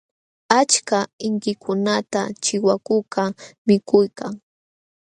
Achka inkikunata chiwakukaq mikuykan.